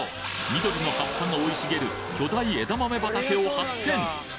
緑の葉っぱが生い茂る巨大枝豆畑を発見！